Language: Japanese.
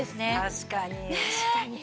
確かに。